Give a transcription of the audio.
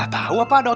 ustadz bang berdu